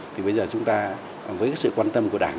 thì bây giờ chúng ta với cái sự quan tâm của đảng